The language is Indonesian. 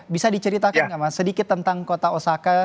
bisa diceritakan nggak mas sedikit tentang kota osaka